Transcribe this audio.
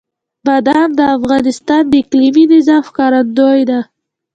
بادام د افغانستان د اقلیمي نظام ښکارندوی ده.